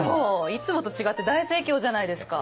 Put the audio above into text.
いつもと違って大盛況じゃないですか。